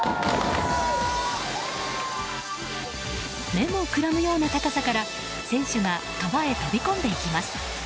目もくらむような高さから選手が川へ飛び込んでいきます。